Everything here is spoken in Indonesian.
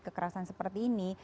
kekerasan seperti ini